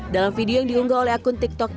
dalam video yang diunggah oleh akun tiktok